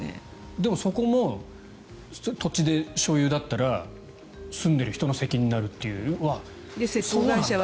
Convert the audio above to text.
でも、そこも土地で所有だったら住んでいる人の責任になるというのはそうなんだと。